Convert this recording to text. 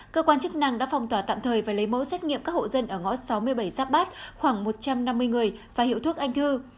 cơ quan chức năng đã phong tỏa tạm thời và lấy mẫu xét nghiệm các hộ dân ở ngõ sáu mươi bảy giáp bát khoảng một trăm năm mươi người và hiệu thuốc anh thư